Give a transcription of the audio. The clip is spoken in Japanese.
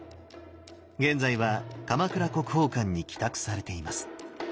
現在は鎌倉国宝館に寄託されています。